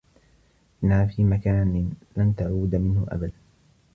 إنّها في مكان لن تعود منه أبدا.